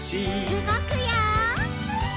うごくよ！